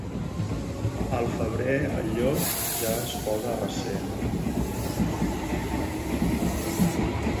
Al febrer el llop ja es posa a recer.